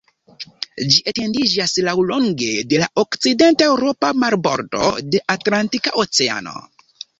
Ĝi etendiĝas laŭlonge de la okcident-eŭropa marbordo de Atlantika Oceano.